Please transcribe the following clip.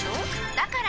だから！